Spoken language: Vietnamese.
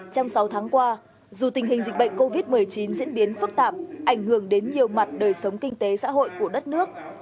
trong sáu tháng qua dù tình hình dịch bệnh covid một mươi chín diễn biến phức tạp ảnh hưởng đến nhiều mặt đời sống kinh tế xã hội của đất nước